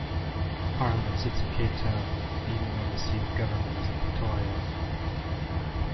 Parliament sits in Cape Town, even though the seat of government is in Pretoria.